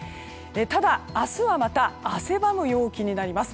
ただ、明日はまた汗ばむ陽気になります。